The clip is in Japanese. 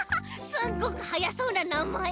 すっごくはやそうななまえ！